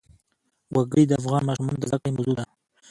وګړي د افغان ماشومانو د زده کړې موضوع ده.